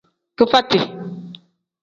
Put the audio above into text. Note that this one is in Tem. Kifati.